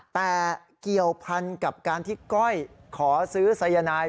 แต่เกี่ยวพันกับการที่ก้อยขอซื้อสายนาย